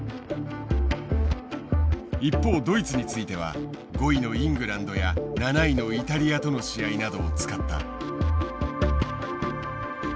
一方ドイツについては５位のイングランドや７位のイタリアとの試合などを使った。